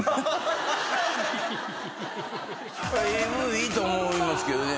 いいと思いますけどね。